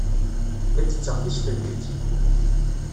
La ttetteɣ tisfenjet.